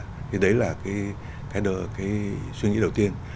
thì đấy là cái suy nghĩ đầu tiên